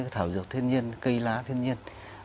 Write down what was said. với thảo dược thiên nhiên cây lá thiên nhiên